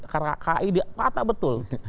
kpi di tata betul